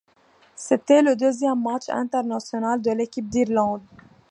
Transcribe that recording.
C’était le deuxième match international de l’équipe d’Irlande.